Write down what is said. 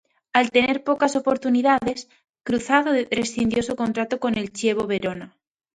Al tener pocas oportunidades, Cruzado rescindió su contrato con el Chievo Verona.